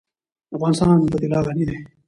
افغانستان په طلا غني دی.